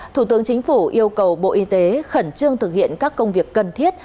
thủ tướng chính phủ yêu cầu bộ y tế khẩn trương thực hiện các công việc cần thiết